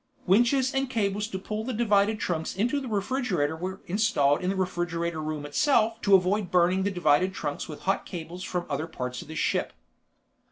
Winches and cables to pull the divided trunks into the refrigerator were installed in the refrigerator room itself to avoid burning the divided trunks with hot cables from other parts of the ship.